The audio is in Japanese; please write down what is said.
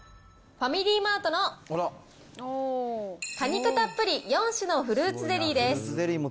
ファミリーマートの果肉たっぷり４種のフルーツゼリーです。